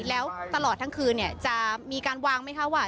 แล้วตลอดทั้งคืนจะมีการวางไหมคะว่า